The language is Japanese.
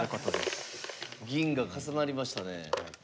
銀が重なりましたね。